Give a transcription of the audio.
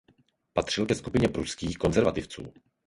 Patřil ke skupině pruských konzervativců.